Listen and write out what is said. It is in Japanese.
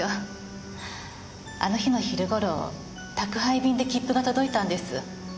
あの日の昼ごろ宅配便で切符が届いたんです。